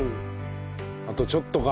あとちょっとか。